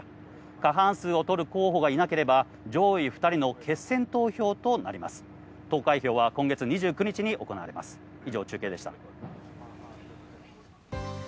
過半数を取る候補がいなければ、上位２人の決選投票となります。